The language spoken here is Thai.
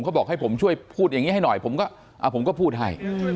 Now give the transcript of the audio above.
เขาบอกให้ผมช่วยพูดอย่างนี้ให้หน่อยผมก็พูดให้